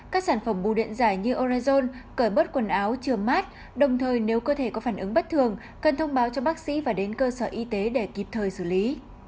các sản phẩm bù điện giải như orezon cởi bớt quần áo chừa mát đồng thời nếu cơ thể có phản ứng bất thường cần thông báo cho bác sĩ và đến cơ sở y tế để kịp thời xử lý